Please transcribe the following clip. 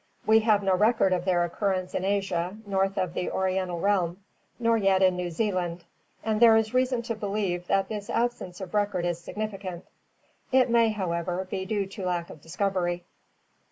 We have no record of their occurrence in Asia north of the Oriental realm, nor yet in New Zealand, and there is reason to be lieve that this absence of record is significant; it may, however, be due to lack of discovery.